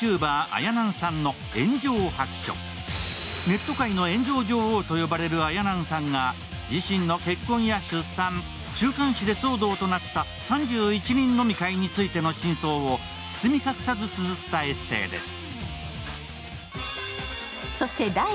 ネット界の炎上女王と呼ばれるあやなんさんが、自身の結婚や出産、週刊誌で騒動となった３１人飲み会についての真相を包み隠さずつづったエッセイです。